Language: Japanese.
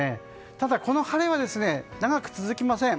ただ、この晴れは長く続きません。